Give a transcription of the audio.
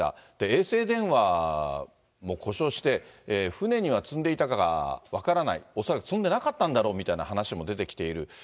衛星電話も故障して、船には積んでいたか分からない、恐らく積んでなかったんだろうみたいな話も出てきている。